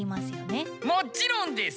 もちろんです！